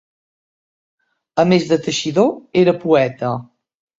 A més de teixidor, era poeta.